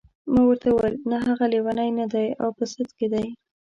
ما ورته وویل نه هغه لیونی نه دی او په سد کې دی.